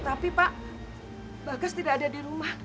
tapi pak bagas tidak ada di rumah